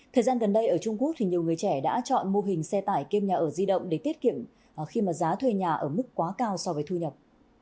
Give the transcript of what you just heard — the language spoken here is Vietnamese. thời gian gần đây ở trung quốc thì nhiều người trẻ đã chọn mô hình xe tải kiêm nhà ở di động để tiết kiệm khi mà giá thuê nhà ở mức quá cao so với thu nhập